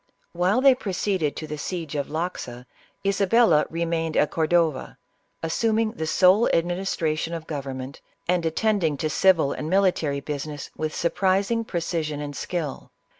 While they proceeded to the siege of Loxa, Isabella remained at Cordova, assuming the sole administration of government, and attending to civil and military busi ness with surprising precision and skill.